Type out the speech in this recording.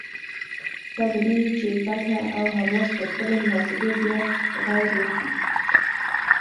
ښه به نه وي چې فتح او حماس پر خپلو محاسبو بیا غور وکړي؟